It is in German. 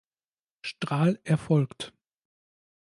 Strahl erfolgt.